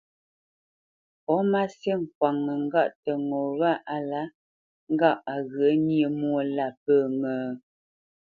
Pó má sî kwaŋnə́ ŋgâʼ tə ŋo wâ á lǎ ŋgâʼ á ghyə̂ nyé mwô lâ pə́ ŋə?